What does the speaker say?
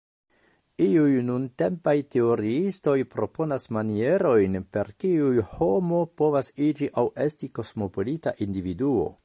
Iuj nuntempaj teoriistoj proponas manierojn, per kiuj homo povas iĝi aŭ esti kosmopolita individuo.